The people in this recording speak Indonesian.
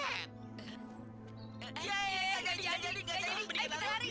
yeay gak jadi gak jadi